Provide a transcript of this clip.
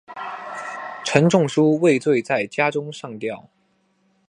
陈仲书畏罪在家中上吊。